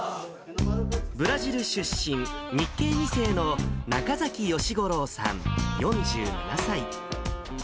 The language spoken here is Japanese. ブラジル出身、日系２世の中崎吉五郎さん４７歳。